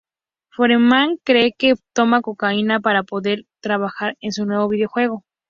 Foreman cree que toma cocaína para poder trabajar en su nuevo videojuego.